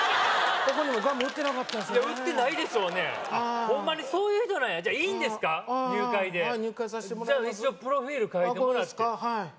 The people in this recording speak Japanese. ここにもガム売ってなかったんですよね売ってないでしょうねあっホンマにそういう人なんやじゃいいんですか？入会で入会さしてもらいますじゃ一応プロフィール書いてもらってあっ